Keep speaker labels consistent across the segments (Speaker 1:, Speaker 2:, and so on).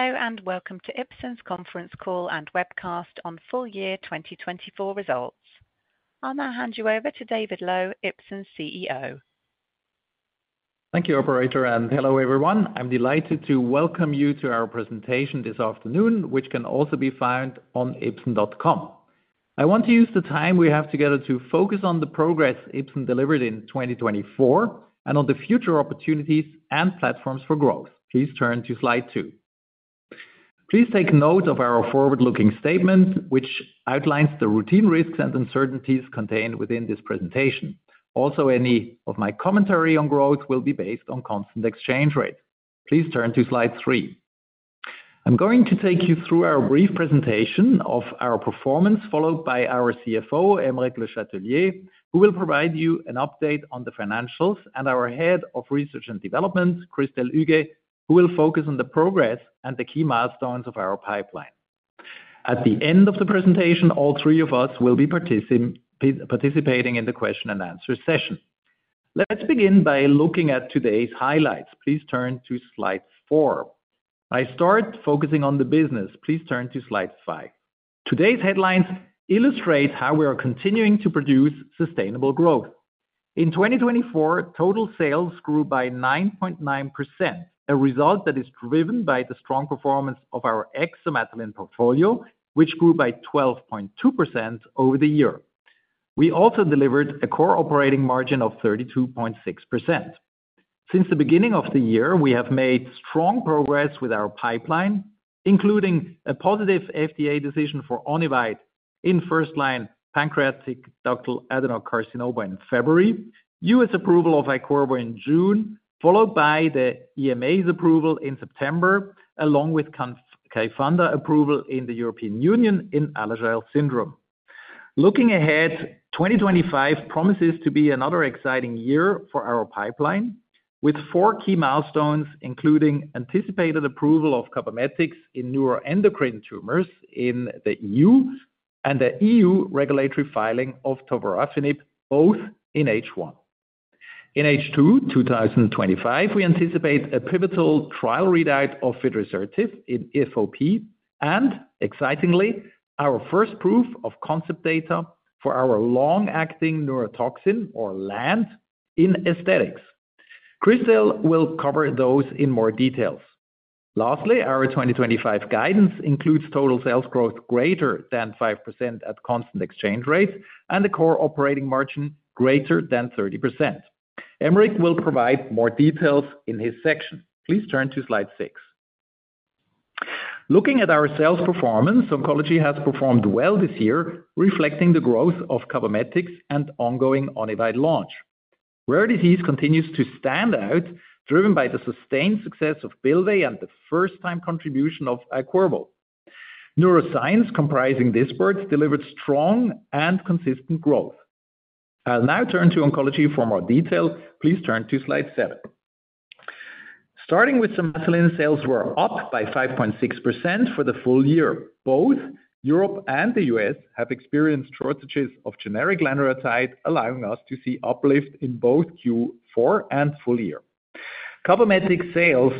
Speaker 1: Hello and welcome to Ipsen's conference call and webcast on full year 2024 results. I'll now hand you over to David Loew, Ipsen's CEO.
Speaker 2: Thank you, Operator, and hello everyone. I'm delighted to welcome you to our presentation this afternoon, which can also be found on ipsen.com. I want to use the time we have together to focus on the progress Ipsen delivered in 2024 and on the future opportunities and platforms for growth. Please turn to slide two. Please take note of our forward-looking statement, which outlines the routine risks and uncertainties contained within this presentation. Also, any of my commentary on growth will be based on constant exchange rates. Please turn to slide three. I'm going to take you through our brief presentation of our performance, followed by our CFO, Aymeric Le Chatelier, who will provide you an update on the financials, and our head of research and development, Christelle Huguet, who will focus on the progress and the key milestones of our pipeline. At the end of the presentation, all three of us will be participating in the question and answer session. Let's begin by looking at today's highlights. Please turn to slide four. I start focusing on the business. Please turn to slide five. Today's headlines illustrate how we are continuing to produce sustainable growth. In 2024, total sales grew by 9.9%, a result that is driven by the strong performance of our exam portfolio, which grew by 12.2% over the year. We also delivered a core operating margin of 32.6%. Since the beginning of the year, we have made strong progress with our pipeline, including a positive FDA decision for Onivyde in first-line pancreatic ductal adenocarcinoma in February, U.S. approval of Iqirvo in June, followed by the EMA's approval in September, along with Kayfanda approval in the European Union in Alagille syndrome. Looking ahead, 2025 promises to be another exciting year for our pipeline, with four key milestones, including anticipated approval of Cabometyx in neuroendocrine tumors in the EU and the EU regulatory filing of Tovorafenib, both in H1. In H2, 2025, we anticipate a pivotal trial readout of Fidrisertib in FOP and, excitingly, our first proof of concept data for our long-acting neurotoxin, or LANT, in aesthetics. Christelle will cover those in more details. Lastly, our 2025 guidance includes total sales growth greater than 5% at constant exchange rates and a core operating margin greater than 30%. Aymeric will provide more details in his section. Please turn to slide six. Looking at our sales performance, Oncology has performed well this year, reflecting the growth of Cabometyx and ongoing Onivyde launch. Rare disease continues to stand out, driven by the sustained success of Bylvay and the first-time contribution of Iqirvo. Neuroscience, comprising therapeutics, delivered strong and consistent growth. I'll now turn to Oncology for more detail. Please turn to slide seven. Starting with Somatuline, sales were up by 5.6% for the full year. Both Europe and the U.S. have experienced shortages of generic lanreotide, allowing us to see uplift in both Q4 and full year. Cabometyx sales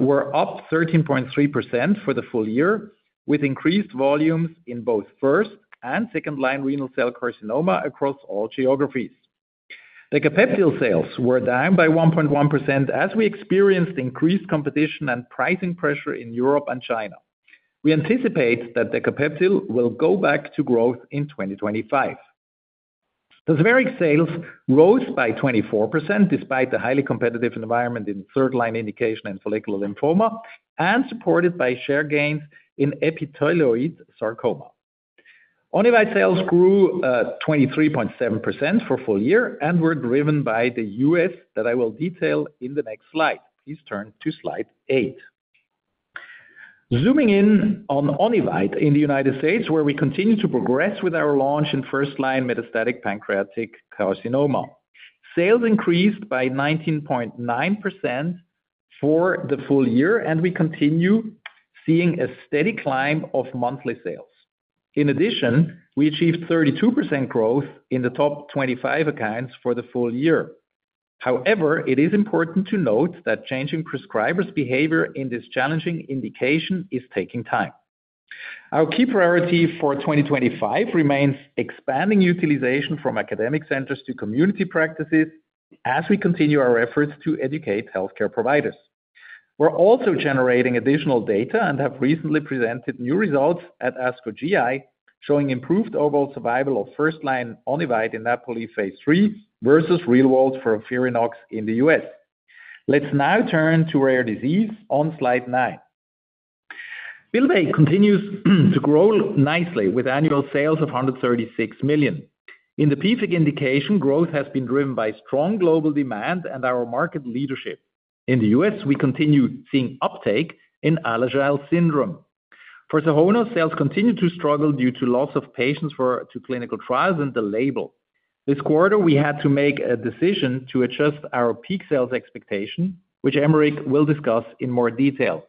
Speaker 2: were up 13.3% for the full year, with increased volumes in both first and second-line renal cell carcinoma across all geographies. The Decapeptyl sales were down by 1.1% as we experienced increased competition and pricing pressure in Europe and China. We anticipate that the Decapeptyl will go back to growth in 2025. The Tazverik sales rose by 24% despite the highly competitive environment in third-line indication and follicular lymphoma and supported by share gains in epithelioid sarcoma. Onivyde sales grew 23.7% for full year and were driven by the U.S. that I will detail in the next slide. Please turn to slide eight. Zooming in on Onivyde in the United States, where we continue to progress with our launch in first-line metastatic pancreatic carcinoma. Sales increased by 19.9% for the full year, and we continue seeing a steady climb of monthly sales. In addition, we achieved 32% growth in the top 25 accounts for the full year. However, it is important to note that changing prescribers' behavior in this challenging indication is taking time. Our key priority for 2025 remains expanding utilization from academic centers to community practices as we continue our efforts to educate healthcare providers. We're also generating additional data and have recently presented new results at ASCO GI showing improved overall survival of first-line Onivyde in that phase 3 versus real-world for Onivyde in the U.S. Let's now turn to rare disease on slide nine. Bylvay continues to grow nicely with annual sales of 136 million. In the PFIC indication, growth has been driven by strong global demand and our market leadership. In the U.S., we continue seeing uptake in Alagille syndrome. For Sohonos, sales continue to struggle due to loss of patients for clinical trials and the label. This quarter, we had to make a decision to adjust our peak sales expectation, which Aymeric will discuss in more detail.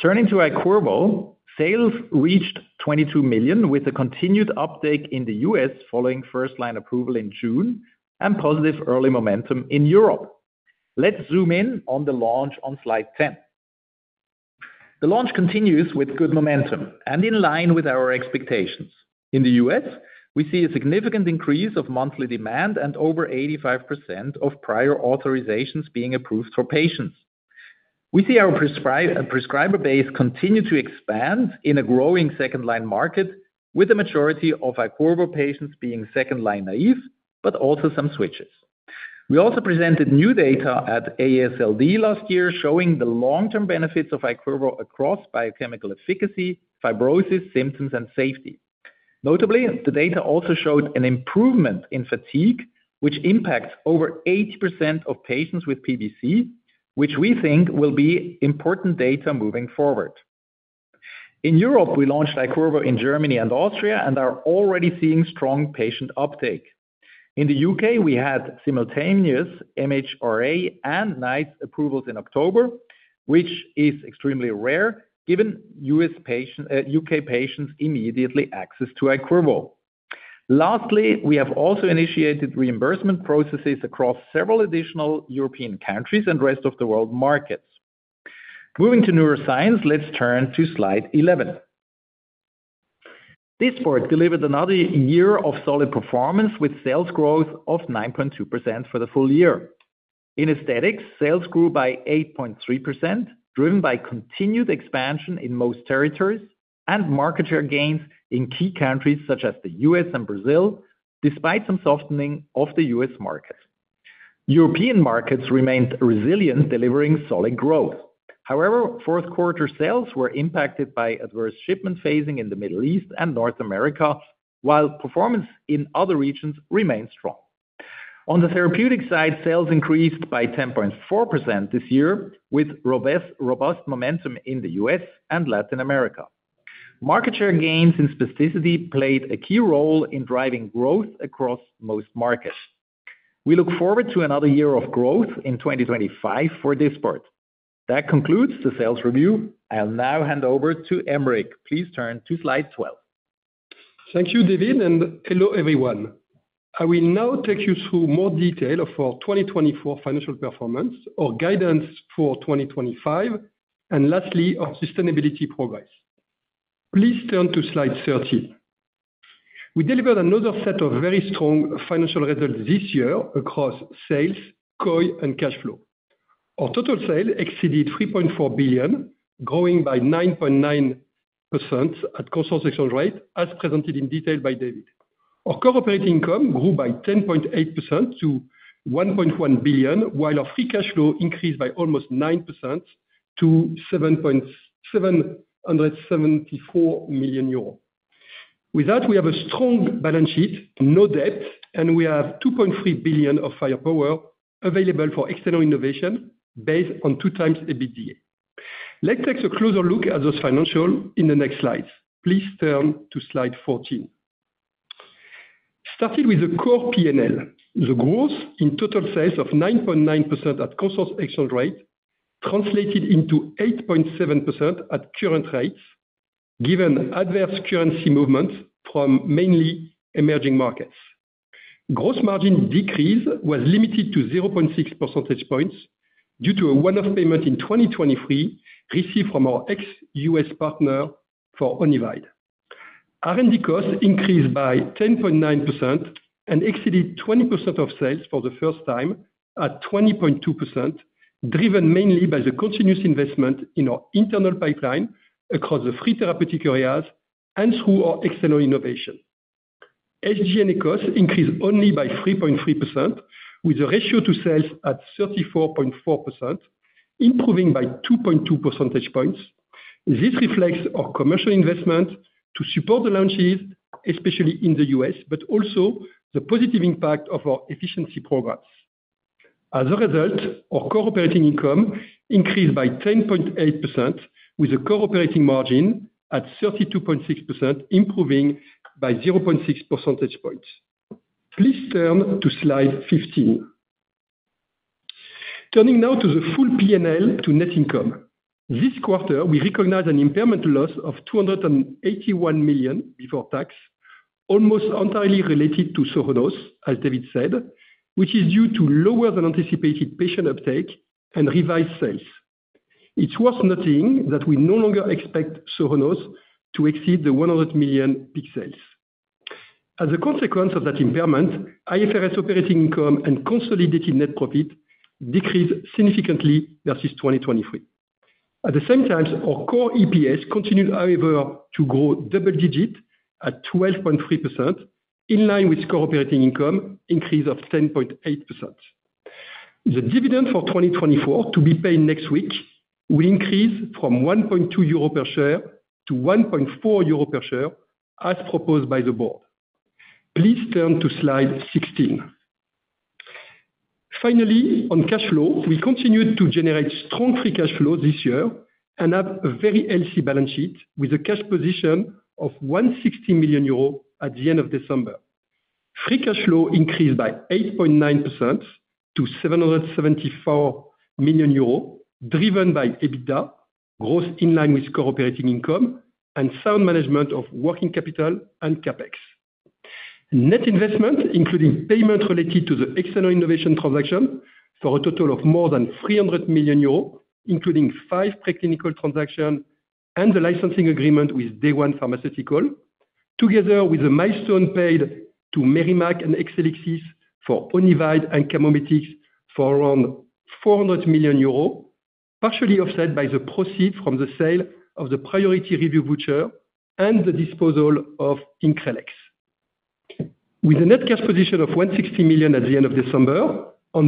Speaker 2: Turning to Iqirvo, sales reached 22 million with a continued uptake in the U.S. following first-line approval in June and positive early momentum in Europe. Let's zoom in on the launch on slide 10. The launch continues with good momentum and in line with our expectations. In the U.S., we see a significant increase of monthly demand and over 85% of prior authorizations being approved for patients. We see our prescriber base continue to expand in a growing second-line market, with a majority of Iqirvo patients being second-line naive, but also some switches. We also presented new data at AASLD last year showing the long-term benefits of Iqirvo across biochemical efficacy, fibrosis symptoms, and safety. Notably, the data also showed an improvement in fatigue, which impacts over 80% of patients with PBC, which we think will be important data moving forward. In Europe, we launched Iqirvo in Germany and Austria and are already seeing strong patient uptake. In the U.K., we had simultaneous MHRA and NICE approvals in October, which is extremely rare given U.K. patients' immediate access to Iqirvo. Lastly, we have also initiated reimbursement processes across several additional European countries and rest of the world markets. Moving to neuroscience, let's turn to slide 11. This brand delivered another year of solid performance with sales growth of 9.2% for the full year. In aesthetics, sales grew by 8.3%, driven by continued expansion in most territories and market share gains in key countries such as the U.S. and Brazil, despite some softening of the U.S. market. European markets remained resilient, delivering solid growth. However, fourth-quarter sales were impacted by adverse shipment phasing in the Middle East and North America, while performance in other regions remained strong. On the therapeutic side, sales increased by 10.4% this year with robust momentum in the U.S. and Latin America. Market share gains in aesthetics played a key role in driving growth across most markets. We look forward to another year of growth in 2025 for this brand. That concludes the sales review. I'll now hand over to Aymeric. Please turn to slide 12.
Speaker 3: Thank you, David, and hello everyone. I will now take you through more detail of our 2024 financial performance, our guidance for 2025, and lastly, our sustainability progress. Please turn to slide 13. We delivered another set of very strong financial results this year across sales, COI, and cash flow. Our total sales exceeded 3.4 billion, growing by 9.9% at consolidation rate, as presented in detail by David. Our core operating income grew by 10.8% to 1.1 billion, while our free cash flow increased by almost 9% to 774 million euros. With that, we have a strong balance sheet, no debt, and we have 2.3 billion of firepower available for external innovation based on two times EBITDA. Let's take a closer look at those financials in the next slides. Please turn to slide 14. Started with the core P&L, the growth in total sales of 9.9% at constant rate translated into 8.7% at current rates, given adverse currency movements from mainly emerging markets. Gross margin decrease was limited to 0.6 percentage points due to a one-off payment in 2023 received from our ex-U.S. partner for Onivyde. R&D costs increased by 10.9% and exceeded 20% of sales for the first time at 20.2%, driven mainly by the continuous investment in our internal pipeline across the three therapeutic areas and through our external innovation. SG&A costs increased only by 3.3%, with a ratio to sales at 34.4%, improving by 2.2 percentage points. This reflects our commercial investment to support the launches, especially in the U.S., but also the positive impact of our efficiency programs. As a result, our core operating income increased by 10.8%, with a core operating margin at 32.6%, improving by 0.6 percentage points. Please turn to slide 15. Turning now to the full P&L to net income. This quarter, we recognize an impairment loss of 281 million before tax, almost entirely related to Sohonos, as David said, which is due to lower than anticipated patient uptake and revised sales. It's worth noting that we no longer expect Sohonos to exceed the 100 million peak sales. As a consequence of that impairment, IFRS operating income and consolidated net profit decreased significantly versus 2023. At the same time, our core EPS continued, however, to grow double digit at 12.3%, in line with core operating income increase of 10.8%. The dividend for 2024 to be paid next week will increase from 1.2 euro per share to 1.4 euro per share, as proposed by the board. Please turn to slide 16. Finally, on cash flow, we continued to generate strong free cash flow this year and have a very healthy balance sheet with a cash position of 160 million euros at the end of December. Free cash flow increased by 8.9% to 774 million euros, driven by EBITDA, gross in line with core operating income, and sound management of working capital and CapEx. Net investment, including payment related to the external innovation transaction, for a total of more than 300 million euros, including five preclinical transactions and the licensing agreement with Day One Biopharmaceuticals, together with a milestone paid to Merrimack and Exelixis for Onivyde and Cabometyx for around 400 million euros, partially offset by the proceeds from the sale of the priority review voucher and the disposal of Increlex. With a net cash position of 160 million at the end of December,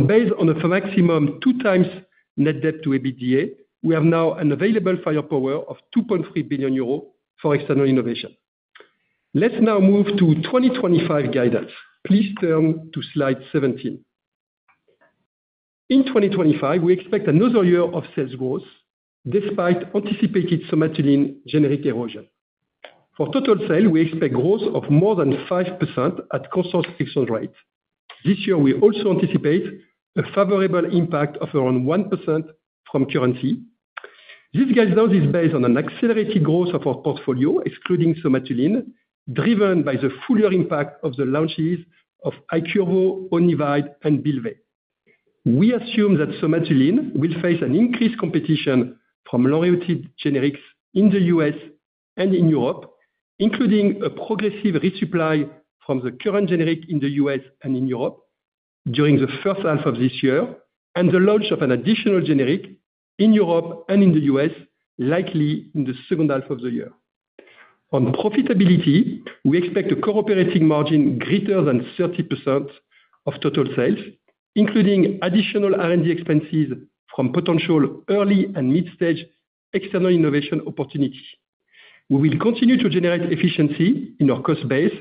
Speaker 3: based on a maximum two times net debt to EBITDA, we have now an available firepower of 2.3 billion euros for external innovation. Let's now move to 2025 guidance. Please turn to slide 17. In 2025, we expect another year of sales growth despite anticipated Somatuline generic erosion. For total sales, we expect growth of more than 5% at consolidation rate. This year, we also anticipate a favorable impact of around 1% from currency. This guidance is based on an accelerated growth of our portfolio, excluding Somatuline, driven by the full year impact of the launches of Iqirvo, Onivyde, and Bylvay. We assume that Somatuline will face increased competition from low-cost generics in the US and in Europe, including a progressive resupply from the current generic in the US and in Europe during the first half of this year and the launch of an additional generic in Europe and in the US, likely in the second half of the year. On profitability, we expect a core operating margin greater than 30% of total sales, including additional R&D expenses from potential early and mid-stage external innovation opportunities. We will continue to generate efficiency in our cost base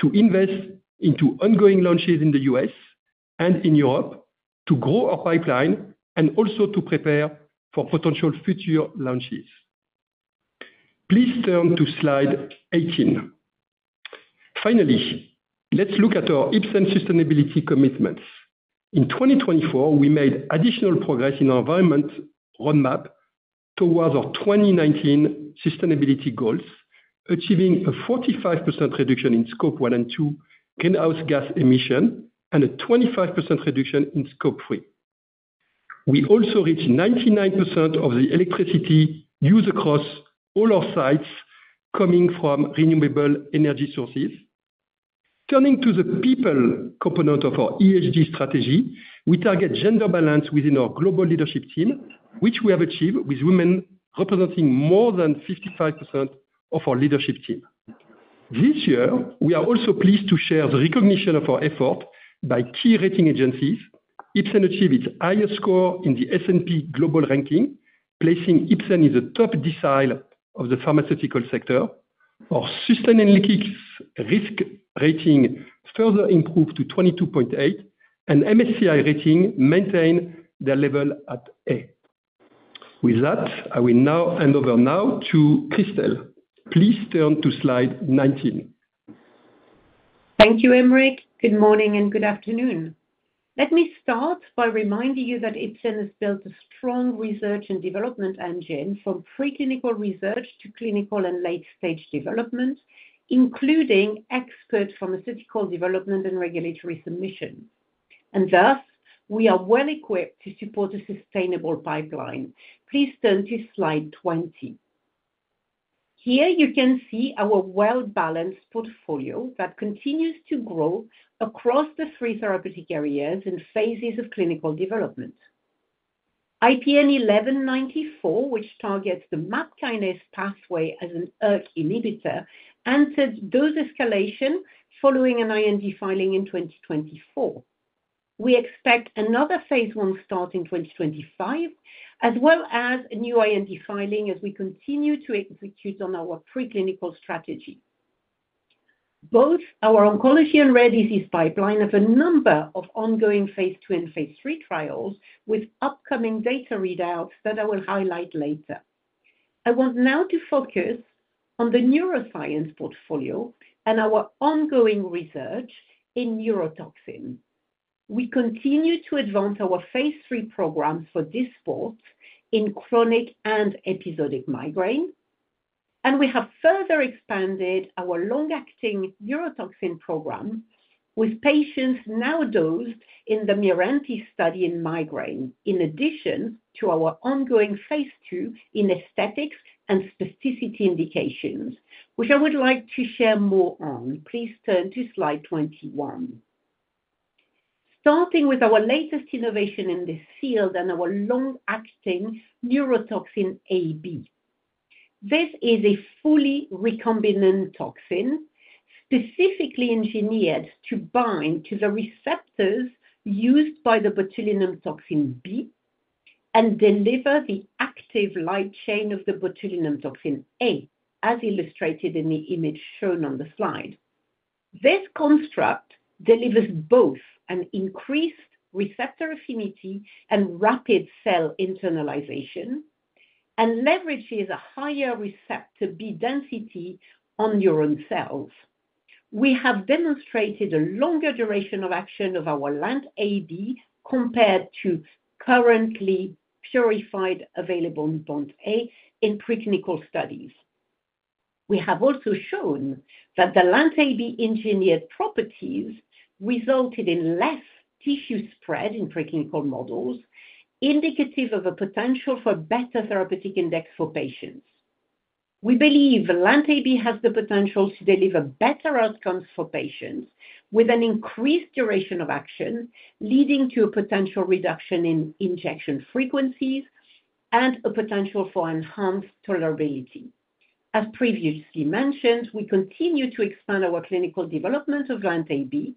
Speaker 3: to invest into ongoing launches in the US and in Europe to grow our pipeline and also to prepare for potential future launches. Please turn to slide 18. Finally, let's look at our Ipsen sustainability commitments. In 2024, we made additional progress in our environmental roadmap towards our 2019 sustainability goals, achieving a 45% reduction in Scope 1 and 2 greenhouse gas emissions and a 25% reduction in Scope 3. We also reached 99% of the electricity used across all our sites coming from renewable energy sources. Turning to the people component of our ESG strategy, we target gender balance within our global leadership team, which we have achieved with women representing more than 55% of our leadership team. This year, we are also pleased to share the recognition of our effort by key rating agencies. Ipsen achieved its highest score in the S&P Global Ranking, placing Ipsen in the top decile of the pharmaceutical sector. Our sustainability risk rating further improved to 22.8, and MSCI rating maintained their level at A. With that, I will now hand over to Christelle. Please turn to slide 19.
Speaker 4: Thank you, Aymeric. Good morning and good afternoon. Let me start by reminding you that Ipsen has built a strong research and development engine from preclinical research to clinical and late-stage development, including expert pharmaceutical development and regulatory submission, and thus, we are well equipped to support a sustainable pipeline. Please turn to slide 20. Here you can see our well-balanced portfolio that continues to grow across the three therapeutic areas in phases of clinical development. IPN 1194, which targets the MAPK kinase pathway as an ERK inhibitor, entered dose escalation following an IND filing in 2024. We expect another phase one start in 2025, as well as a new IND filing as we continue to execute on our preclinical strategy. Both our oncology and rare disease pipeline have a number of ongoing phase two and phase three trials with upcoming data readouts that I will highlight later. I want now to focus on the neuroscience portfolio and our ongoing research in neurotoxin. We continue to advance our phase three programs for Dysport in chronic and episodic migraine, and we have further expanded our long-acting neurotoxin program with patients now dosed in the Meranti study in migraine, in addition to our ongoing phase two in aesthetics and spasticity indications, which I would like to share more on. Please turn to slide 21. Starting with our latest innovation in this field and our long-acting neurotoxin LANT. This is a fully recombinant toxin specifically engineered to bind to the receptors used by the botulinum toxin B and deliver the active light chain of the botulinum toxin A, as illustrated in the image shown on the slide. This construct delivers both an increased receptor affinity and rapid cell internalization and leverages a higher receptor B density on neuron cells. We have demonstrated a longer duration of action of our LANT AB compared to currently available purified BoNT/A in preclinical studies. We have also shown that the LANT AB engineered properties resulted in less tissue spread in preclinical models, indicative of a potential for better therapeutic index for patients. We believe LANT AB has the potential to deliver better outcomes for patients with an increased duration of action, leading to a potential reduction in injection frequencies and a potential for enhanced tolerability. As previously mentioned, we continue to expand our clinical development of LANT AB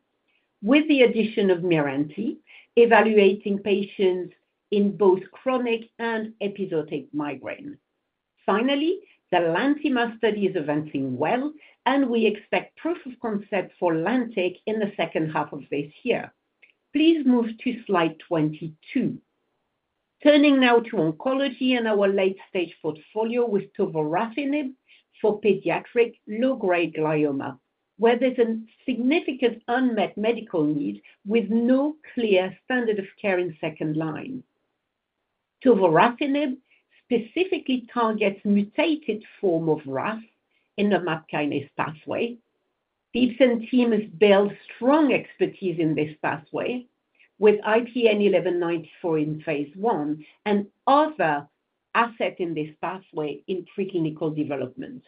Speaker 4: with the addition of Meranti, evaluating patients in both chronic and episodic migraine. Finally, the Lantima study is advancing well, and we expect proof of concept for LANTIC in the second half of this year. Please move to slide 22. Turning now to oncology and our late-stage portfolio with tovorafenib for pediatric low-grade glioma, where there's a significant unmet medical need with no clear standard of care in second line. Tovorafenib specifically targets mutated form of RAS in the MAPK kinase pathway. The Ipsen team has built strong expertise in this pathway with IPN 1194 in phase one and other assets in this pathway in preclinical development.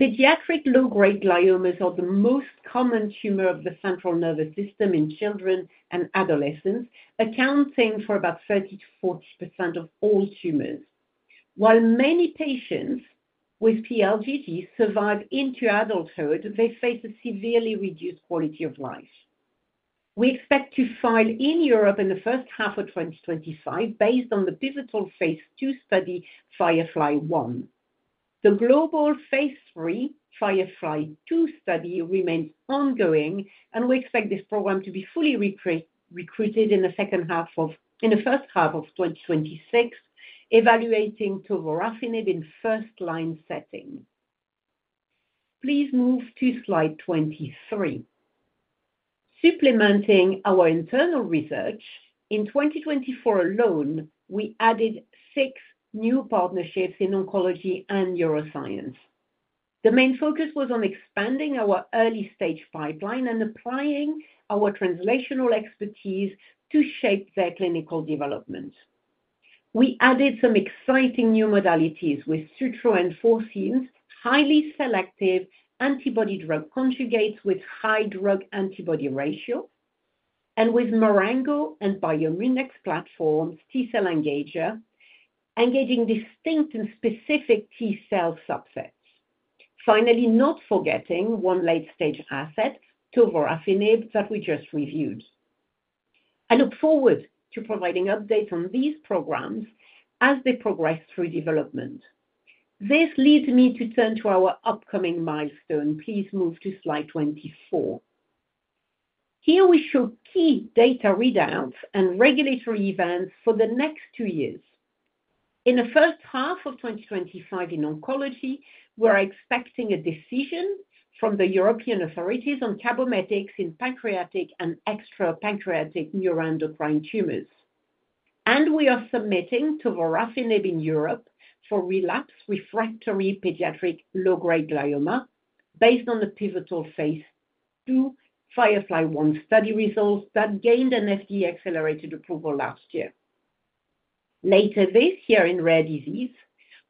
Speaker 4: Pediatric low-grade gliomas are the most common tumor of the central nervous system in children and adolescents, accounting for about 30%-40% of all tumors. While many patients with PLDG survive into adulthood, they face a severely reduced quality of life. We expect to file in Europe in the first half of 2025 based on the pivotal phase two study, Firefly One. The global phase 3 FIREFLY-2 study remains ongoing, and we expect this program to be fully recruited in the second half of, in the first half of 2026, evaluating tovorafenib in first-line setting. Please move to slide 23. Supplementing our internal research, in 2024 alone, we added six new partnerships in oncology and neuroscience. The main focus was on expanding our early-stage pipeline and applying our translational expertise to shape their clinical development. We added some exciting new modalities with Sutro and Foreseen, highly selective antibody-drug conjugates with high drug-antibody ratio, and with Marengo and Biomunex platforms, T-cell engager, engaging distinct and specific T-cell subsets. Finally, not forgetting one late-stage asset, tovorafenib, that we just reviewed. I look forward to providing updates on these programs as they progress through development. This leads me to turn to our upcoming milestone. Please move to slide 24. Here we show key data readouts and regulatory events for the next two years. In the first half of 2025 in oncology, we're expecting a decision from the European authorities on Cabometyx in pancreatic and extrapancreatic neuroendocrine tumors. And we are submitting Tovorafenib in Europe for relapsed refractory pediatric low-grade glioma based on the pivotal phase two FIREFLY-1 study results that gained an FDA-accelerated approval last year. Later this year in rare disease,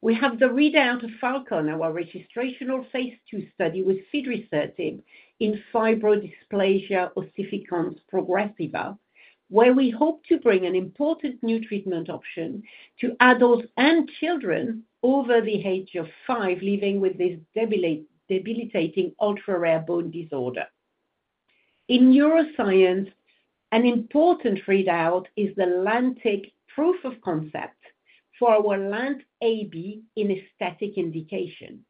Speaker 4: we have the readout of FALCON, our registrational phase two study with fidrisertib in fibrodysplasia ossificans progressiva, where we hope to bring an important new treatment option to adults and children over the age of five living with this debilitating ultra-rare bone disorder. In neuroscience, an important readout is the Lantima proof of concept for our LANT in aesthetic indication.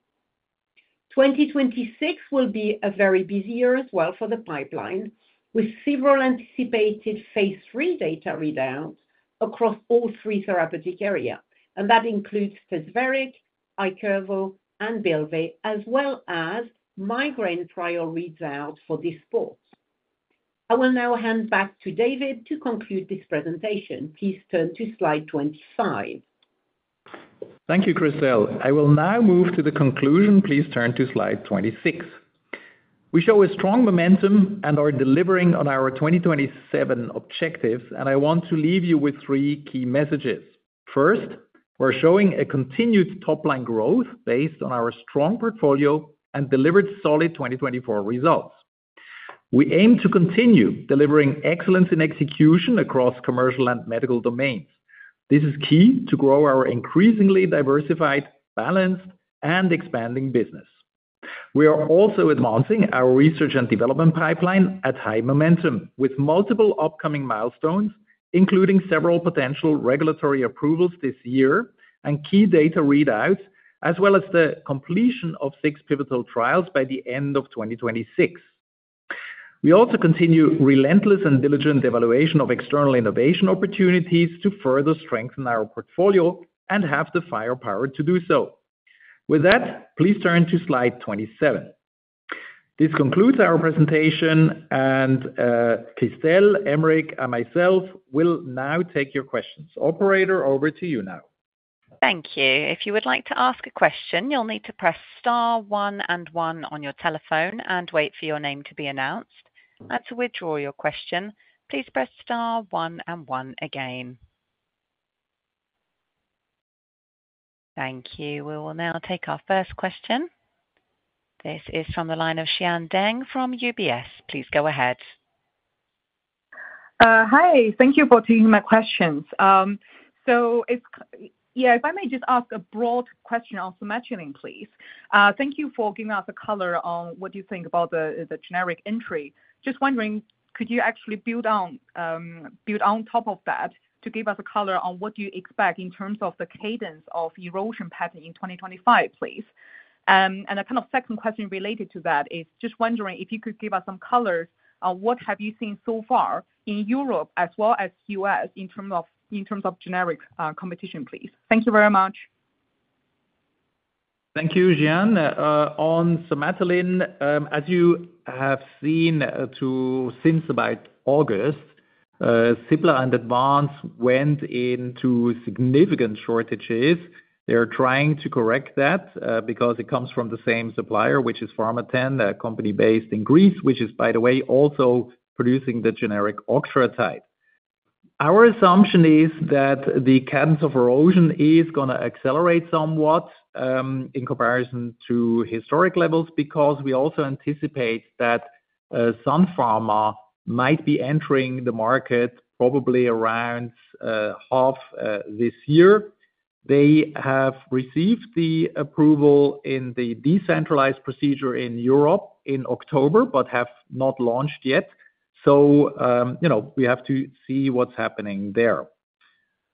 Speaker 4: 2026 will be a very busy year as well for the pipeline, with several anticipated phase 3 data readouts across all three therapeutic areas, and that includes Tazverik, Iqirvo, and Bylvay, as well as migraine trial readouts for Dysport. I will now hand back to David to conclude this presentation. Please turn to slide 25.
Speaker 2: Thank you, Christelle. I will now move to the conclusion. Please turn to slide 26. We show a strong momentum and are delivering on our 2027 objectives, and I want to leave you with three key messages. First, we're showing a continued top-line growth based on our strong portfolio and delivered solid 2024 results. We aim to continue delivering excellence in execution across commercial and medical domains. This is key to grow our increasingly diversified, balanced, and expanding business. We are also advancing our research and development pipeline at high momentum with multiple upcoming milestones, including several potential regulatory approvals this year and key data readouts, as well as the completion of six pivotal trials by the end of 2026. We also continue relentless and diligent evaluation of external innovation opportunities to further strengthen our portfolio and have the firepower to do so. With that, please turn to slide 27. This concludes our presentation, and Christelle, Aymeric, and myself will now take your questions. Operator, over to you now.
Speaker 1: Thank you. If you would like to ask a question, you'll need to press star one and one on your telephone and wait for your name to be announced. And to withdraw your question, please press star one and one again. Thank you. We will now take our first question. This is from the line of Xian Deng from UBS. Please go ahead.
Speaker 5: Hi. Thank you for taking my questions. So it's, yeah, if I may just ask a broad question on Somatuline, please. Thank you for giving us a color on what you think about the generic entry. Just wondering, could you actually build on top of that to give us a color on what do you expect in terms of the cadence of erosion pattern in 2025, please? And a kind of second question related to that is just wondering if you could give us some colors on what have you seen so far in Europe as well as the U.S. in terms of generic competition, please. Thank you very much.
Speaker 2: Thank you, Xian. On Somatuline, as you have seen since about August, Cipla and Advanz Pharma went into significant shortages. They're trying to correct that because it comes from the same supplier, which is Pharmathen, a company based in Greece, which is, by the way, also producing the generic octreotide. Our assumption is that the cadence of erosion is going to accelerate somewhat in comparison to historic levels because we also anticipate that Sun Pharma might be entering the market probably around half this year. They have received the approval in the decentralized procedure in Europe in October, but have not launched yet, so we have to see what's happening there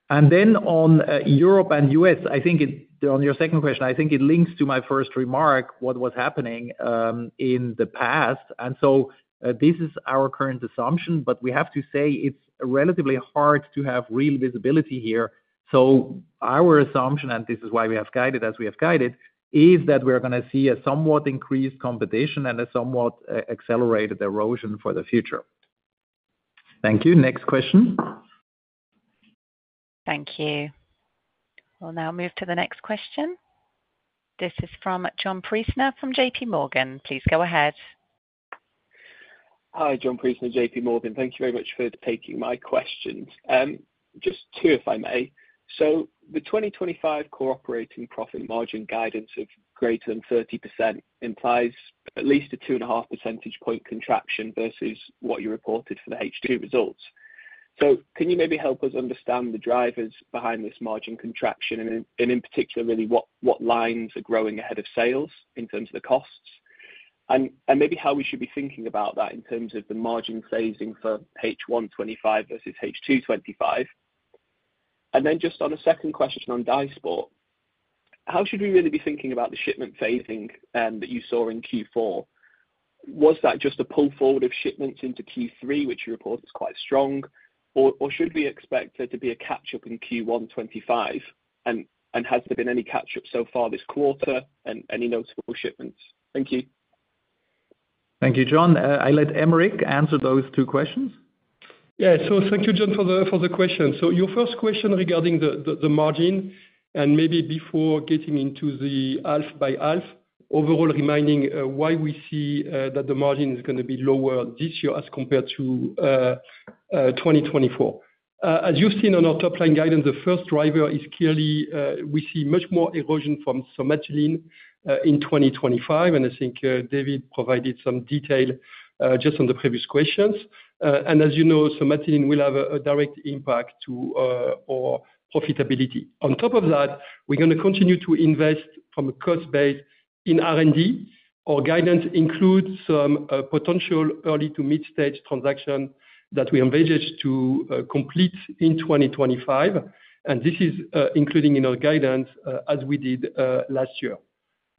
Speaker 2: and then on Europe and US, I think on your second question, I think it links to my first remark, what was happening in the past. And so this is our current assumption, but we have to say it's relatively hard to have real visibility here. So our assumption, and this is why we have guided as we have guided, is that we're going to see a somewhat increased competition and a somewhat accelerated erosion for the future. Thank you. Next question.
Speaker 1: Thank you. We'll now move to the next question. This is from John Priestner from JP Morgan. Please go ahead.
Speaker 6: Hi, John Priestner, JP Morgan. Thank you very much for taking my questions. Just two, if I may. So the 2025 core operating profit margin guidance of greater than 30% implies at least a two and a half percentage point contraction versus what you reported for the H2 results. So can you maybe help us understand the drivers behind this margin contraction and in particular, really what lines are growing ahead of sales in terms of the costs and maybe how we should be thinking about that in terms of the margin phasing for H125 versus H225? And then just on a second question on Dysport, how should we really be thinking about the shipment phasing that you saw in Q4? Was that just a pull forward of shipments into Q3, which you reported is quite strong, or should we expect there to be a catch-up in Q125? And has there been any catch-up so far this quarter and any notable shipments? Thank you.
Speaker 2: Thank you, John. I'll let Aymeric answer those two questions.
Speaker 3: Yeah, so thank you, John, for the question. So your first question regarding the margin and maybe before getting into the area by area, overall reminding why we see that the margin is going to be lower this year as compared to 2024. As you've seen on our top-line guidance, the first driver is clearly we see much more erosion from Somatuline in 2025. And I think David provided some detail just on the previous questions. And as you know, Somatuline will have a direct impact to our profitability. On top of that, we're going to continue to invest from a cost base in R&D. Our guidance includes some potential early to mid-stage transactions that we envisage to complete in 2025. And this is including in our guidance as we did last year.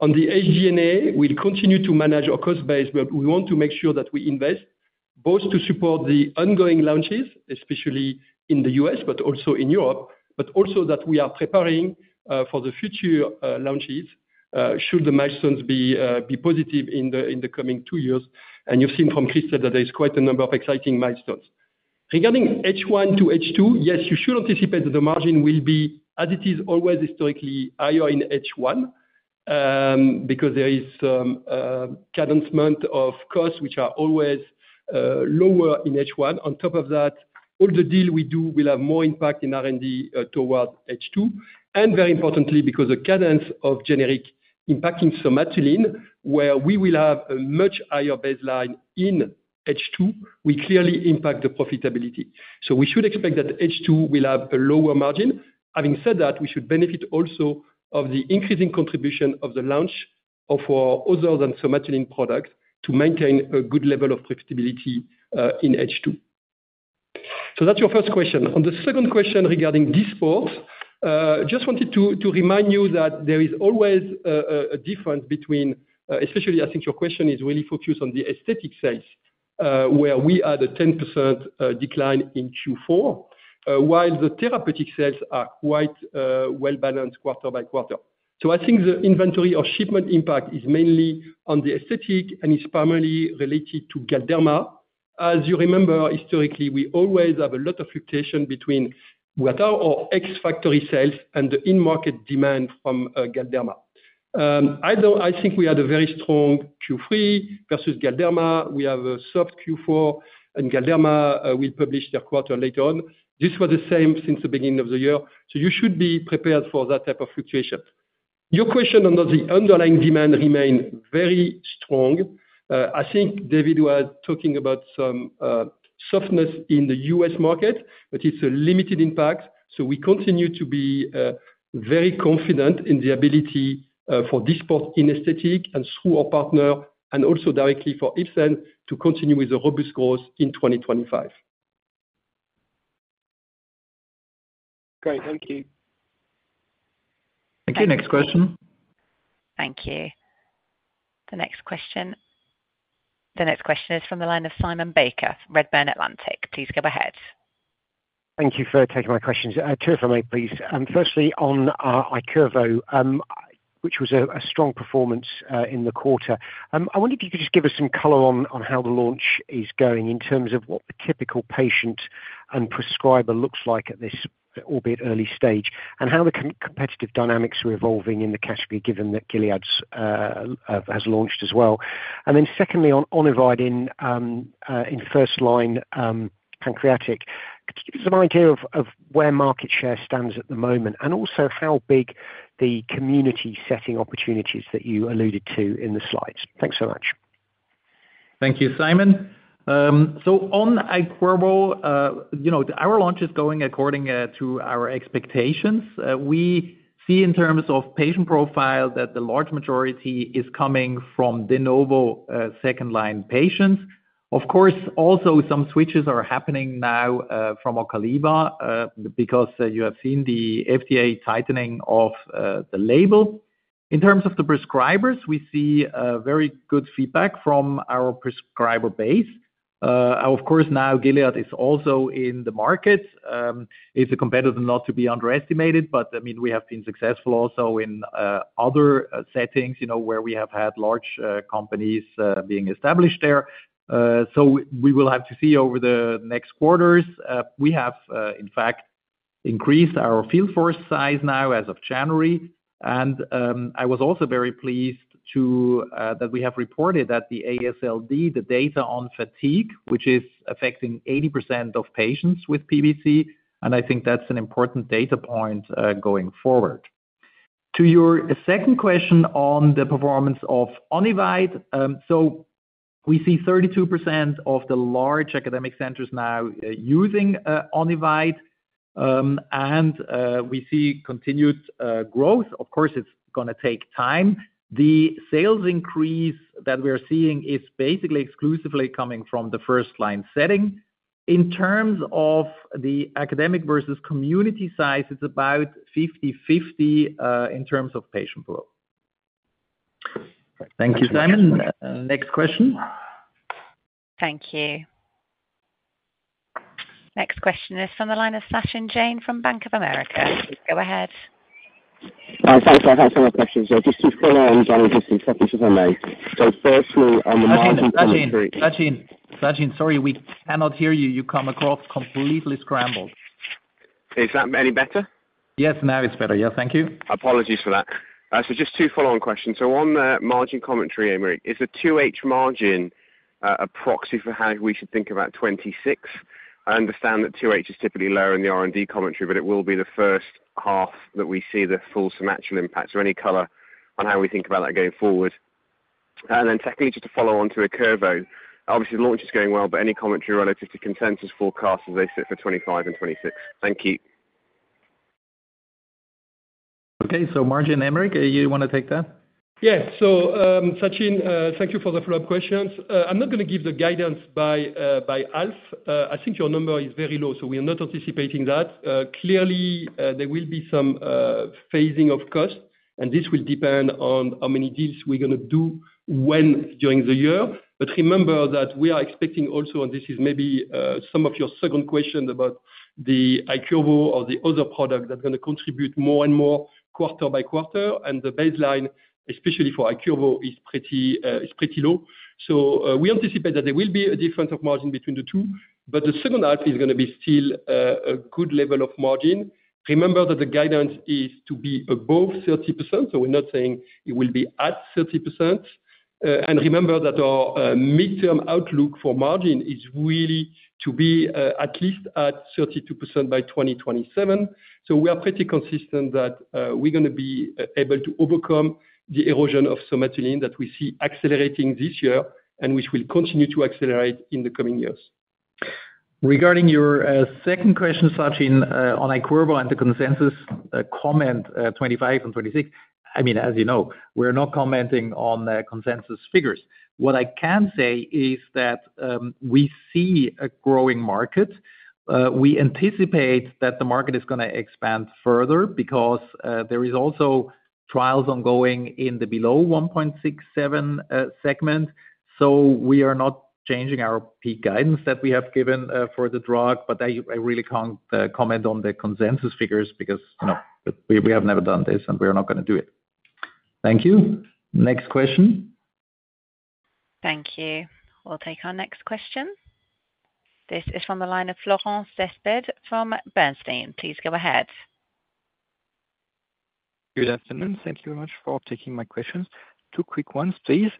Speaker 3: On the SG&A, we'll continue to manage our cost base, but we want to make sure that we invest both to support the ongoing launches, especially in the U.S., but also in Europe, but also that we are preparing for the future launches should the milestones be positive in the coming two years. You've seen from Christelle that there is quite a number of exciting milestones. Regarding H1 to H2, yes, you should anticipate that the margin will be, as it is always historically, higher in H1 because there is some cadence month of costs which are always lower in H1. On top of that, all the deal we do will have more impact in R&D towards H2. Very importantly, because the cadence of generic impacting Somatuline, where we will have a much higher baseline in H2, we clearly impact the profitability. So we should expect that H2 will have a lower margin. Having said that, we should benefit also of the increasing contribution of the launch of our other than Somatuline products to maintain a good level of profitability in H2. So that's your first question. On the second question regarding Dysport, just wanted to remind you that there is always a difference between, especially I think your question is really focused on the aesthetic sales, where we had a 10% decline in Q4, while the therapeutic sales are quite well-balanced quarter by quarter. So I think the inventory or shipment impact is mainly on the aesthetic and is primarily related to Galderma. As you remember, historically, we always have a lot of fluctuation between what are our ex-factory sales and the in-market demand from Galderma. I think we had a very strong Q3 versus Galderma. We have a soft Q4, and Galderma will publish their quarter later on. This was the same since the beginning of the year. So you should be prepared for that type of fluctuation. Your question on the underlying demand remained very strong. I think David was talking about some softness in the U.S. market, but it's a limited impact. So we continue to be very confident in the ability for Dysport in aesthetics and through our partner and also directly for Ipsen to continue with a robust growth in 2025.
Speaker 6: Great. Thank you.
Speaker 2: Thank you. Next question.
Speaker 1: Thank you. The next question. The next question is from the line of Simon Baker, Redburn Atlantic. Please go ahead.
Speaker 7: Thank you for taking my questions. Two if I may, please. Firstly, on Iqirvo, which was a strong performance in the quarter. I wonder if you could just give us some color on how the launch is going in terms of what the typical patient and prescriber looks like at this, albeit early stage, and how the competitive dynamics are evolving in the category given that Gilead has launched as well? And then secondly, on Onivyde in first-line pancreatic, give us an idea of where market share stands at the moment and also how big the community setting opportunities that you alluded to in the slides? Thanks so much.
Speaker 2: Thank you, Simon. So on Iqirvo, our launch is going according to our expectations. We see in terms of patient profile that the large majority is coming from de novo second-line patients. Of course, also some switches are happening now from Ocaliva because you have seen the FDA tightening of the label. In terms of the prescribers, we see very good feedback from our prescriber base. Of course, now Gilead is also in the market. It's a competitor not to be underestimated, but I mean, we have been successful also in other settings where we have had large companies being established there. So we will have to see over the next quarters. We have, in fact, increased our field force size now as of January. And I was also very pleased that we have reported that the AASLD, the data on fatigue, which is affecting 80% of patients with PBC, and I think that's an important data point going forward. To your second question on the performance of Onivyde, so we see 32% of the large academic centers now using Onivyde, and we see continued growth. Of course, it's going to take time. The sales increase that we are seeing is basically exclusively coming from the first-line setting. In terms of the academic versus community size, it's about 50-50 in terms of patient growth. Thank you, Simon. Next question.
Speaker 1: Thank you. Next question is from the line of Sachin Jain from Bank of America. Go ahead.
Speaker 8: Thanks. I have some more questions. Just two follow-ons, and just a second, if I may. So firstly, on the margin commentary.
Speaker 2: Sachin, sorry, we cannot hear you. You come across completely scrambled.
Speaker 8: Is that any better?
Speaker 2: Yes, now it's better. Yeah, thank you.
Speaker 8: Apologies for that. So just two follow-on questions. So on the margin commentary, Aymeric, is the 2H margin a proxy for how we should think about 2026? I understand that 2H is typically lower in the R&D commentary, but it will be the first half that we see the full symmetrical impact. So any color on how we think about that going forward? And then secondly, just to follow on to Iqirvo, obviously the launch is going well, but any commentary relative to consensus forecasts as they sit for 2025 and 2026? Thank you.
Speaker 2: Okay, so Marjin and Aymeric, you want to take that?
Speaker 3: Yeah. So Sachin, thank you for the follow-up questions. I'm not going to give the guidance by half. I think your number is very low, so we are not anticipating that. Clearly, there will be some phasing of cost, and this will depend on how many deals we're going to do when during the year. But remember that we are expecting also, and this is maybe some of your second question about the Iqirvo or the other product that's going to contribute more and more quarter by quarter, and the baseline, especially for Iqirvo, is pretty low. So we anticipate that there will be a difference of margin between the two, but the second half is going to be still a good level of margin. Remember that the guidance is to be above 30%, so we're not saying it will be at 30%. Remember that our midterm outlook for margin is really to be at least at 32% by 2027. We are pretty consistent that we're going to be able to overcome the erosion of Somatuline that we see accelerating this year and which will continue to accelerate in the coming years.
Speaker 2: Regarding your second question, Sachin, on Iqirvo and the consensus comment 2025 and 2026, I mean, as you know, we're not commenting on consensus figures. What I can say is that we see a growing market. We anticipate that the market is going to expand further because there are also trials ongoing in the below 1.67 segment. So we are not changing our peak guidance that we have given for the drug, but I really can't comment on the consensus figures because we have never done this and we are not going to do it. Thank you. Next question.
Speaker 1: Thank you. We'll take our next question. This is from the line of Florent Cespedes from Bernstein. Please go ahead.
Speaker 9: Good afternoon. Thank you very much for taking my questions. Two quick ones, please.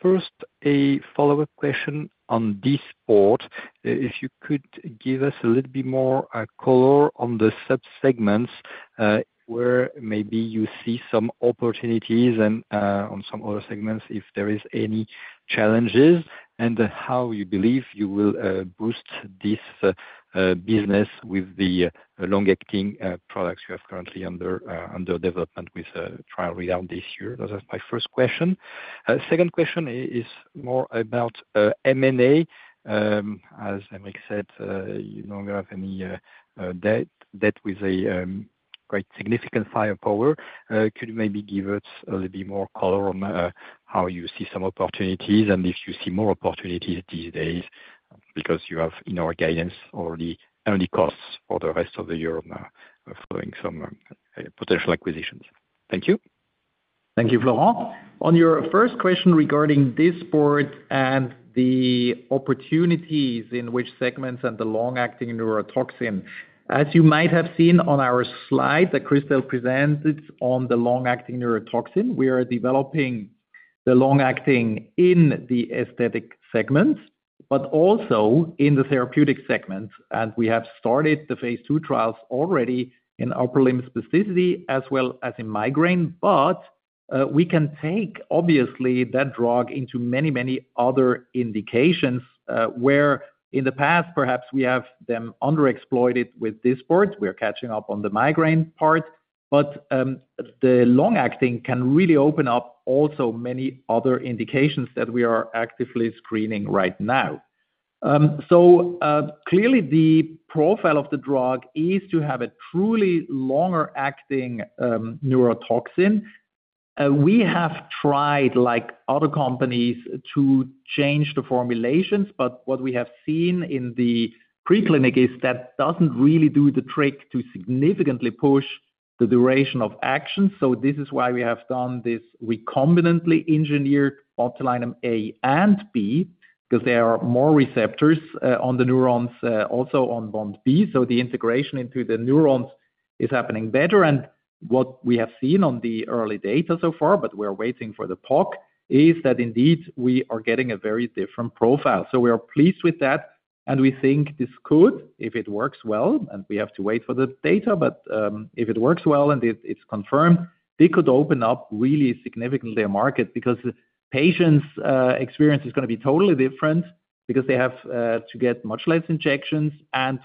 Speaker 9: First, a follow-up question on Dysport. If you could give us a little bit more color on the subsegments where maybe you see some opportunities and on some other segments if there are any challenges and how you believe you will boost this business with the long-acting products you have currently under development with trial without this year. That's my first question. Second question is more about M&A. As Aymeric said, you don't have any debt with a quite significant firepower. Could you maybe give us a little bit more color on how you see some opportunities and if you see more opportunities these days because you have in our guidance already costs for the rest of the year following some potential acquisitions? Thank you.
Speaker 2: Thank you, Florent. On your first question regarding Dysport and the opportunities in which segments and the long-acting neurotoxin, as you might have seen on our slide that Christelle presented on the long-acting neurotoxin, we are developing the long-acting in the aesthetic segments, but also in the therapeutic segments. We have started the phase two trials already in upper limb spasticity as well as in migraine. We can take, obviously, that drug into many, many other indications where in the past, perhaps we have them underexploited with Dysport. We're catching up on the migraine part, but the long-acting can really open up also many other indications that we are actively screening right now. Clearly, the profile of the drug is to have a truly longer-acting neurotoxin. We have tried, like other companies, to change the formulations, but what we have seen in the preclinical is that doesn't really do the trick to significantly push the duration of action. So this is why we have done this recombinantly engineered botulinum A and B because there are more receptors on the neurons also on BoNT/B. So the integration into the neurons is happening better. And what we have seen on the early data so far, but we're waiting for the POC, is that indeed we are getting a very different profile. So we are pleased with that, and we think this could, if it works well, and we have to wait for the data, but if it works well and it's confirmed, they could open up really significantly a market because patients' experience is going to be totally different because they have to get much less injections.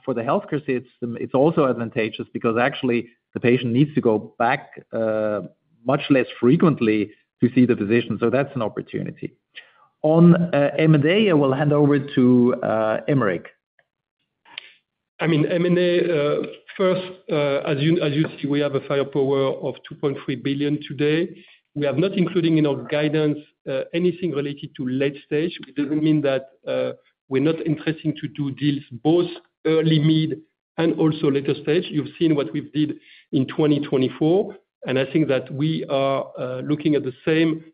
Speaker 2: For the healthcare system, it's also advantageous because actually the patient needs to go back much less frequently to see the physician. That's an opportunity. On M&A, I will hand over to Aymeric.
Speaker 3: I mean, M&A, first, as you see, we have a firepower of 2.3 billion today. We are not including in our guidance anything related to late stage. It doesn't mean that we're not interested to do deals both early, mid, and also later stage. You've seen what we've did in 2024, and I think that we are looking at the same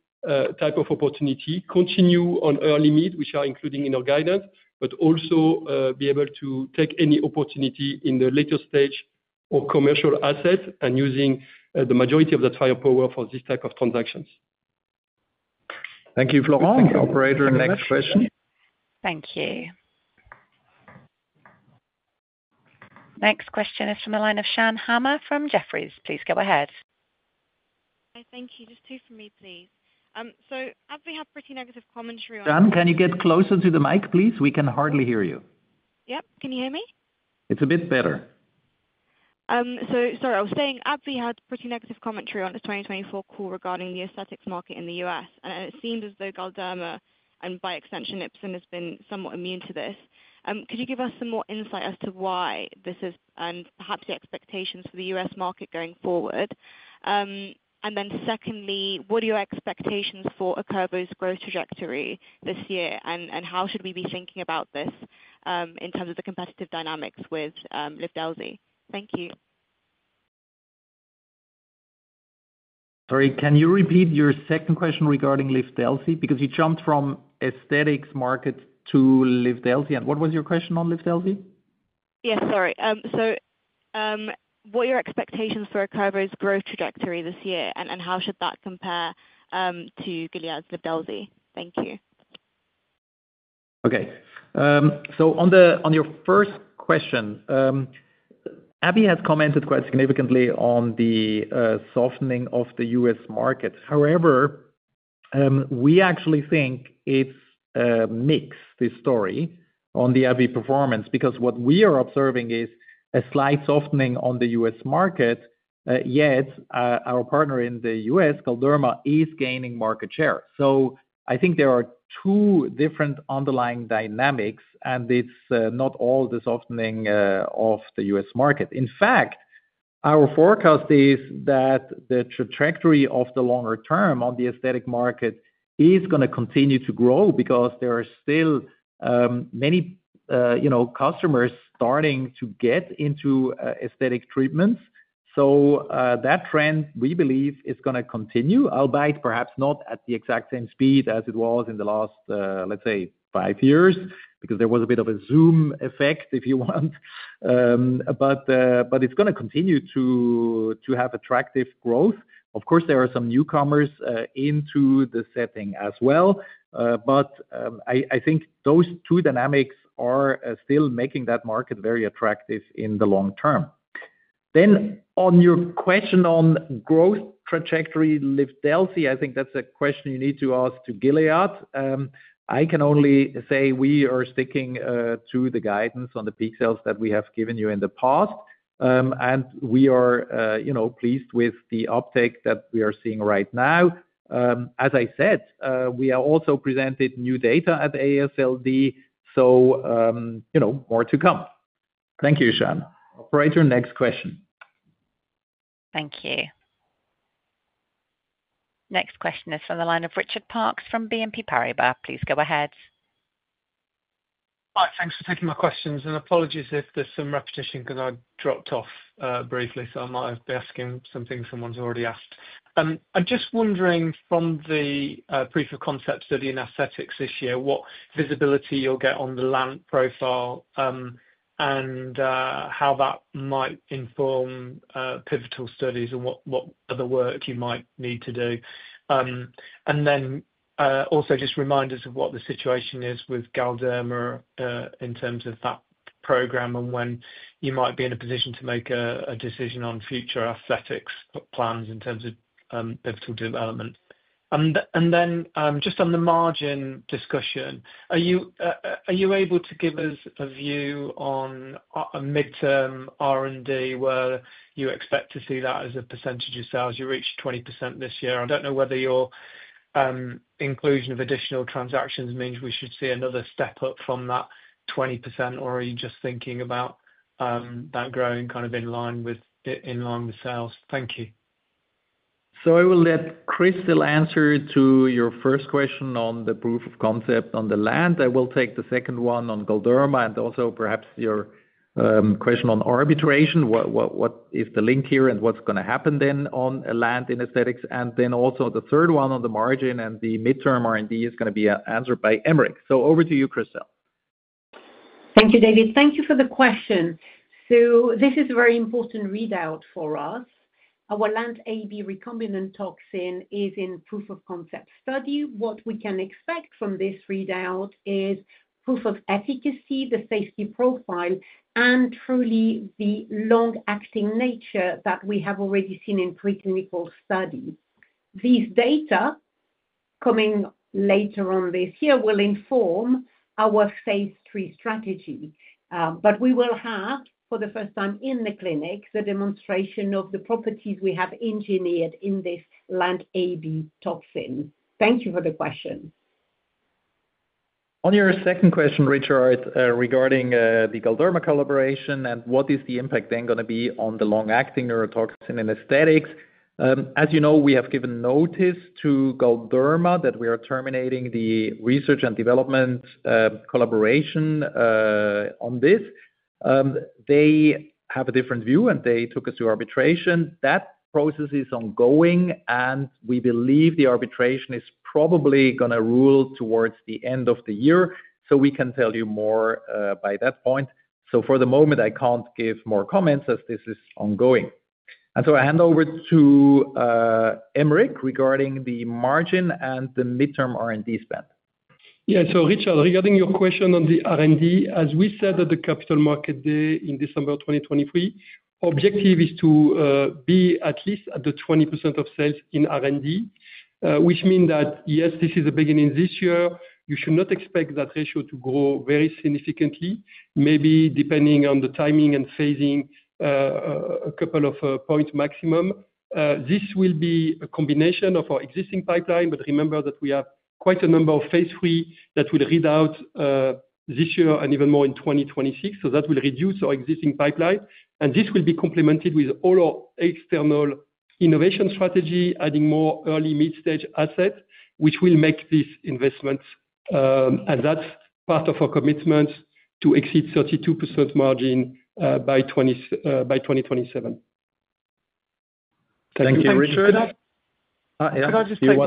Speaker 3: type of opportunity. Continue on early mid, which are including in our guidance, but also be able to take any opportunity in the later stage or commercial asset and using the majority of that firepower for this type of transactions.
Speaker 2: Thank you, Florent. The operator. Next question.
Speaker 1: Thank you. Next question is from the line of Shan Hama from Jefferies. Please go ahead.
Speaker 10: Hi, thank you. Just two from me, please. So AbbVie had pretty negative commentary on.
Speaker 2: Shan, can you get closer to the mic, please? We can hardly hear you.
Speaker 10: Yep. Can you hear me?
Speaker 2: It's a bit better.
Speaker 10: So sorry, I was saying AbbVie had pretty negative commentary on the 2024 call regarding the aesthetics market in the U.S. And it seems as though Galderma and by extension, Ipsen has been somewhat immune to this. Could you give us some more insight as to why this is and perhaps the expectations for the U.S. market going forward? And then secondly, what are your expectations for Iqirvo's growth trajectory this year? And how should we be thinking about this in terms of the competitive dynamics with Livdelzi? Thank you.
Speaker 2: Sorry, can you repeat your second question regarding Livdelzi? Because you jumped from aesthetics market to Livdelzi. And what was your question on Livdelzi?
Speaker 10: Yes, sorry. So what are your expectations for Iqirvo's growth trajectory this year? And how should that compare to Gilead's Livdelzi? Thank you.
Speaker 2: Okay. So on your first question, AbbVie has commented quite significantly on the softening of the U.S. market. However, we actually think it's a mix, this story, on the AbbVie performance because what we are observing is a slight softening on the U.S. market, yet our partner in the U.S., Galderma, is gaining market share. So I think there are two different underlying dynamics, and it's not all the softening of the U.S. market. In fact, our forecast is that the trajectory of the longer term on the aesthetic market is going to continue to grow because there are still many customers starting to get into aesthetic treatments. So that trend, we believe, is going to continue, albeit perhaps not at the exact same speed as it was in the last, let's say, five years because there was a bit of a Zoom effect, if you want. But it's going to continue to have attractive growth. Of course, there are some newcomers into the setting as well. But I think those two dynamics are still making that market very attractive in the long term. Then on your question on growth trajectory, Livdelzi, I think that's a question you need to ask to Gilead. I can only say we are sticking to the guidance on the peak sales that we have given you in the past. And we are pleased with the uptake that we are seeing right now. As I said, we are also presented new data at AASLD, so more to come. Thank you, Shan. Operator, next question.
Speaker 1: Thank you. Next question is from the line of Richard Parkes from BNP Paribas. Please go ahead.
Speaker 11: Hi, thanks for taking my questions. And apologies if there's some repetition because I dropped off briefly, so I might be asking something someone's already asked. I'm just wondering from the proof of concept study in aesthetics this year, what visibility you'll get on the LANT profile and how that might inform pivotal studies and what other work you might need to do. And then also just remind us of what the situation is with Galderma in terms of that program and when you might be in a position to make a decision on future aesthetics plans in terms of pivotal development. And then just on the margin discussion, are you able to give us a view on a mid-term R&D where you expect to see that as a percentage of sales? You reached 20% this year. I don't know whether your inclusion of additional transactions means we should see another step up from that 20%, or are you just thinking about that growing kind of in line with sales? Thank you.
Speaker 2: I will let Christelle answer your first question on the proof of concept on the LANT. I will take the second one on Galderma and also perhaps your question on arbitration. What is the link here and what's going to happen then on LANT in aesthetics? Then also the third one on the margin and the midterm R&D is going to be answered by Aymeric. Over to you, Christelle.
Speaker 4: Thank you, David. Thank you for the question. So this is a very important readout for us. Our LAMP AB recombinant toxin is in proof of concept study. What we can expect from this readout is proof of efficacy, the safety profile, and truly the long-acting nature that we have already seen in pre-clinical studies. These data coming later on this year will inform our phase three strategy. But we will have, for the first time in the clinic, the demonstration of the properties we have engineered in this LAMP AB toxin. Thank you for the question.
Speaker 2: On your second question, Richard, regarding the Galderma collaboration and what is the impact then going to be on the long-acting neurotoxin in aesthetics? As you know, we have given notice to Galderma that we are terminating the research and development collaboration on this. They have a different view, and they took us to arbitration. That process is ongoing, and we believe the arbitration is probably going to rule towards the end of the year. So we can tell you more by that point. So for the moment, I can't give more comments as this is ongoing. And so I hand over to Aymeric regarding the margin and the midterm R&D spend.
Speaker 3: Yeah. So, Richard, regarding your question on the R&D, as we said at the capital market day in December 2023, the objective is to be at least at the 20% of sales in R&D, which means that, yes, this is a beginning this year. You should not expect that ratio to grow very significantly, maybe depending on the timing and phasing a couple of points maximum. This will be a combination of our existing pipeline, but remember that we have quite a number of phase three that will read out this year and even more in 2026. So that will reduce our existing pipeline. And this will be complemented with all our external innovation strategy, adding more early mid-stage assets, which will make these investments. And that's part of our commitment to exceed 32% margin by 2027.
Speaker 2: Thank you, Richard.
Speaker 11: Could I just take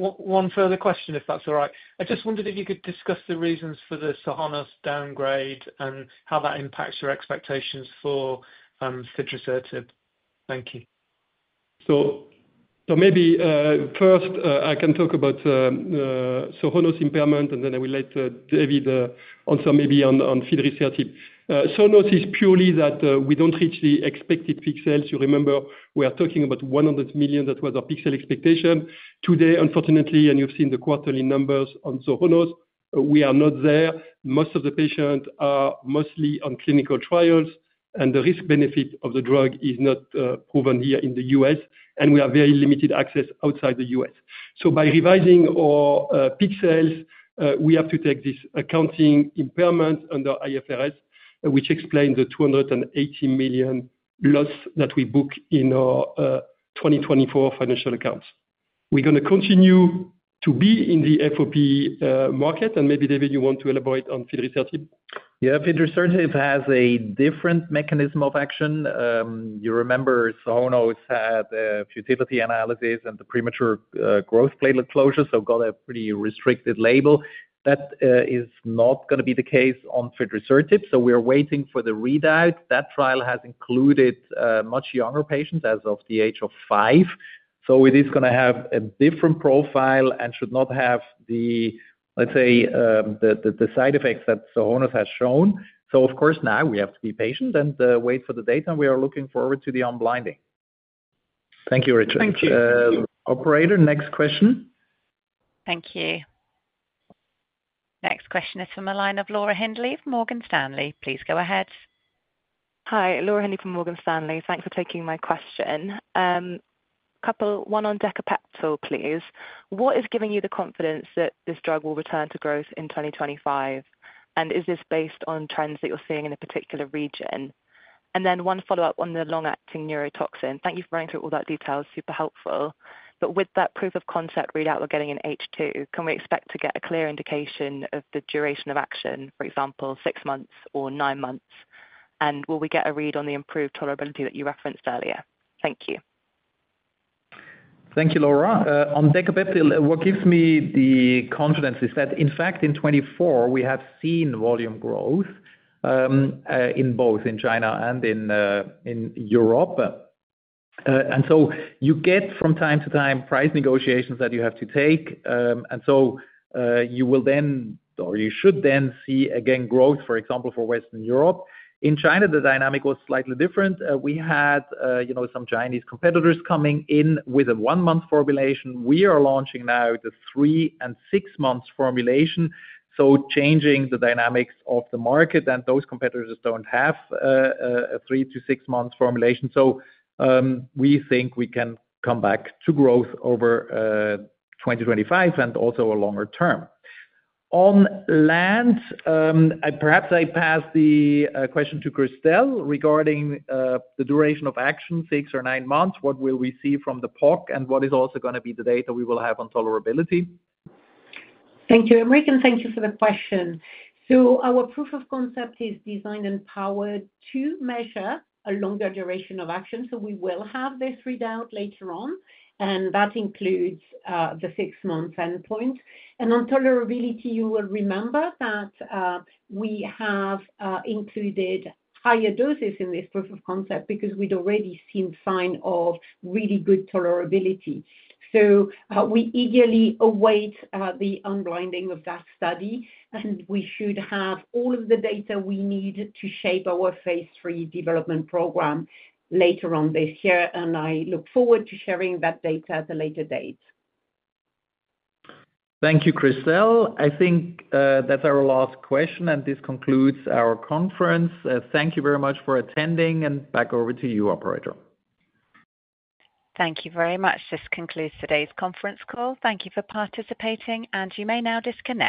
Speaker 11: one further question, if that's all right? I just wondered if you could discuss the reasons for the Sohonos downgrade and how that impacts your expectations for Fidrisertib. Thank you.
Speaker 3: Maybe first, I can talk about Sohonos impairment, and then I will let David answer maybe on Fidrisertib. Sohonos is purely that we don't reach the expected peak sales. You remember we are talking about 100 million. That was our peak sale expectation. Today, unfortunately, and you've seen the quarterly numbers on Sohonos, we are not there. Most of the patients are mostly on clinical trials, and the risk-benefit of the drug is not proven here in the U.S., and we have very limited access outside the U.S. So by revising our peak sales, we have to take this accounting impairment under IFRS, which explains the 280 million loss that we book in our 2024 financial accounts. We're going to continue to be in the FOP market. And maybe, David, you want to elaborate on Fidrisertib?
Speaker 2: Yeah. Fidrisertib has a different mechanism of action. You remember Sohonos had a futility analysis and the premature growth plate closure, so got a pretty restricted label. That is not going to be the case on Fidrisertib. So we're waiting for the readout. That trial has included much younger patients as of the age of five. So it is going to have a different profile and should not have the, let's say, the side effects that Sohonos has shown. So of course, now we have to be patient and wait for the data. And we are looking forward to the unblinding. Thank you, Richard.
Speaker 11: Thank you.
Speaker 2: Operator, next question.
Speaker 1: Thank you. Next question is from the line of Laura Hindley of Morgan Stanley. Please go ahead.
Speaker 12: Hi, Laura Hindley from Morgan Stanley. Thanks for taking my question. One on Decapeptyl, please. What is giving you the confidence that this drug will return to growth in 2025? And is this based on trends that you're seeing in a particular region? And then one follow-up on the long-acting neurotoxin. Thank you for running through all that detail. Super helpful. But with that proof of concept readout we're getting in H2, can we expect to get a clear indication of the duration of action, for example, six months or nine months? And will we get a read on the improved tolerability that you referenced earlier? Thank you.
Speaker 2: Thank you, Laura. On Decapeptyl, what gives me the confidence is that, in fact, in 2024, we have seen volume growth in both China and in Europe. And so you get from time to time price negotiations that you have to take. And so you will then, or you should then see again growth, for example, for Western Europe. In China, the dynamic was slightly different. We had some Chinese competitors coming in with a one-month formulation. We are launching now the three and six-month formulation. So changing the dynamics of the market that those competitors don't have a three to six-month formulation. So we think we can come back to growth over 2025 and also a longer term. On LANT, perhaps I pass the question to Christelle regarding the duration of action, six or nine months. What will we see from the POC? What is also going to be the data we will have on tolerability?
Speaker 4: Thank you, Aymeric. And thank you for the question. So our proof of concept is designed and powered to measure a longer duration of action. So we will have this readout later on. And that includes the six-month endpoint. And on tolerability, you will remember that we have included higher doses in this proof of concept because we'd already seen signs of really good tolerability. So we eagerly await the unblinding of that study. And we should have all of the data we need to shape our phase three development program later on this year. And I look forward to sharing that data at a later date.
Speaker 2: Thank you, Christelle. I think that's our last question, and this concludes our conference. Thank you very much for attending, and back over to you, Operator.
Speaker 1: Thank you very much. This concludes today's conference call. Thank you for participating, and you may now disconnect.